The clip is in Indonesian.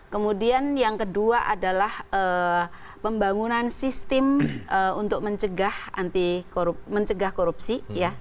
kemudian yang kedua adalah pembangunan sistem untuk mencegah korupsi